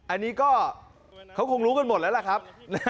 อันนี้ก็เขาคงรู้กันหมดแล้วล่ะครับ